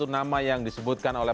dua puluh satu nama yang disebutkan oleh